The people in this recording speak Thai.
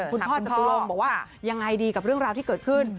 พี่โรงคุณพ่อจะตัวบอกว่ายังไงดีกับเรื่องราวที่เกิดขึ้น